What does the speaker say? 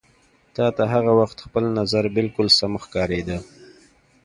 تا ته هغه وخت خپل نظر بالکل سم ښکارېده.